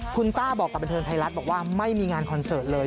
คุณต้าบอกกับบันเทิงไทยรัฐบอกว่าไม่มีงานคอนเสิร์ตเลย